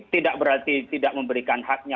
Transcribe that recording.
tidak berarti tidak memberikan haknya